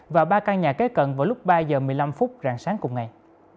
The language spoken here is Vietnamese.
và ba căn nhà kế cận vào lúc ba h một mươi năm phút rạng sáng cùng ngày